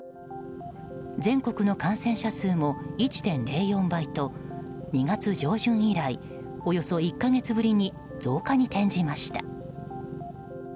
全国の感染者数も１．０４倍と２月上旬以来およそ１か月ぶりに増加に転じました。